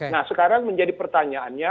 nah sekarang menjadi pertanyaannya